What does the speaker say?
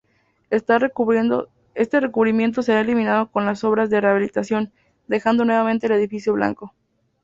Este recubrimiento será eliminado con las obras de rehabilitación, dejando nuevamente el edificio blanco.